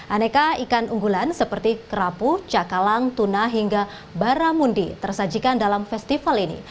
aneka ikan unggulan seperti kerapu cakalang tuna hingga baramundi tersajikan dalam festival ini